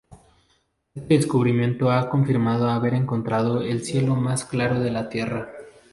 Este descubrimiento ha confirmado haber encontrando el cielos más claro de la Tierra.